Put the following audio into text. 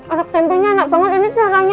arak tempenya anak banget ini sarangnya